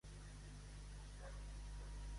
Jo no el donaria per mort perquè sempre sap renéixer.